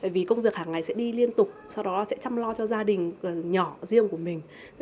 vì công việc hàng ngày sẽ đi liên tục sau đó sẽ chăm lo cho gia đình nhỏ riêng của mình